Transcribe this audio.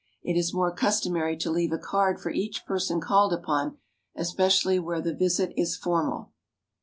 It is more customary to leave a card for each person called upon, especially where the visit is formal.